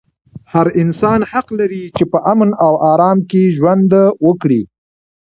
هر انسان حق لري چې په امن او ارام کې ژوند وکړي.